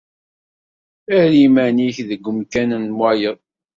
Err iman-nnek deg wemkan n wayeḍ.